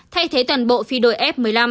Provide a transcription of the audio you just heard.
thay thế toàn bộ phi đội f một mươi năm